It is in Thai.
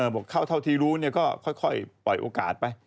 บอกเขาเท่าที่รู้เนี่ยก็ค่อยปล่อยโอกาสไป